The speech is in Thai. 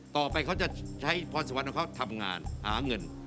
ต่อไปเขาก็จะใช้พรสวรรค์ที่จะทำงานหาเงิน